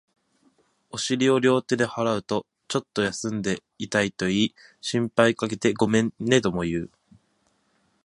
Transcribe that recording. お尻を両手で払うと、ちょっと休んでいたと言い、心配かけてごめんとも言う